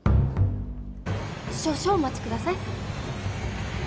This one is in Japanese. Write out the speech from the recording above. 少々お待ちください。